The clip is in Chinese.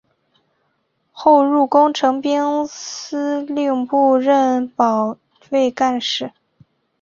后入工程兵司令部任保卫干事。